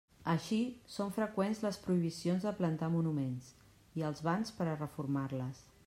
Així, són freqüents les prohibicions de plantar monuments i els bans per a reformar-les.